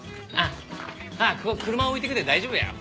あっここ車置いてくで大丈夫やよ。